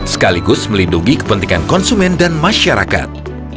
sekaligus melindungi kepentingan konsumen dan masyarakat